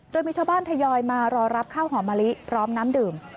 โดยมีชาวบ้านทยอยมารอรับข้าวหอมมะลิพร้อมน้ำดื่ม